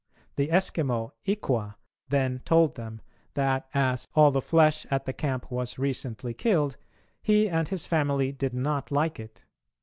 The Eskimo, Ikwa, then told them that, as all the flesh at the camp was recently killed, he and his family did not like it.